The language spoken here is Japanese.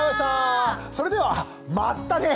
それではまったね！